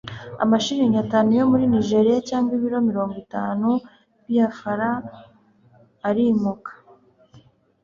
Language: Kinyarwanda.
amashiringi atanu yo muri nigeriya cyangwa ibiro mirongo itanu biafran. yishyuamapound, arimuka